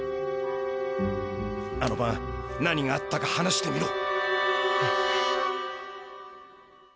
あのばん何があったか話してみろ。